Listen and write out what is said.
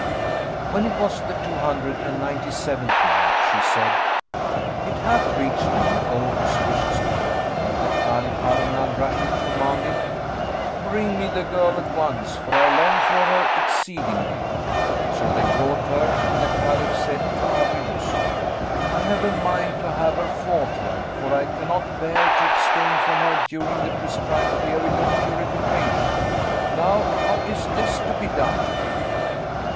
When it was the Two Hundred and Ninety seventh Night, She said, It hath reached me, O auspicious King, that the Caliph Harun al Rashid commanded, "Bring me the girl at once, for I long for her exceedingly." So they brought her and the Caliph said to Abu Yusuf, I have a mind to have her forthright, for I cannot bear to abstain from her during the prescribed period of purification; now how is this to be done?"